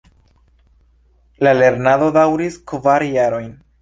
La lernado daŭris kvar jarojn.